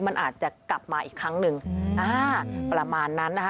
มันอาจจะกลับมาอีกครั้งหนึ่งอ่าประมาณนั้นนะคะ